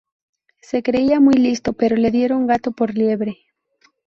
Se creía muy listo pero le dieron gato por liebre